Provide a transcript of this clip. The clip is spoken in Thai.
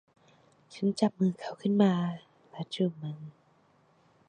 ฉันจับมือเขาขึ้นมาและจูบมัน